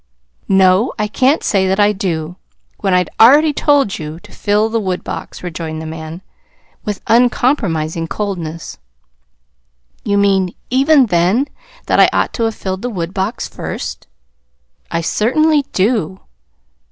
"No, I can't say that I do, when I'd already told you to fill the woodbox," rejoined the man, with uncompromising coldness. "You mean even then that I ought to have filled the woodbox first?" "I certainly do."